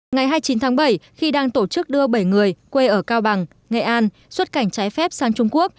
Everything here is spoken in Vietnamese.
ngày hai mươi chín tháng bảy khi đang tổ chức đưa bảy người quê ở cao bằng nghệ an xuất cảnh trái phép sang trung quốc